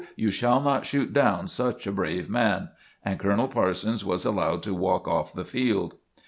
you shall not shoot down such a brave man!" And Colonel Parsons was allowed to walk off the field.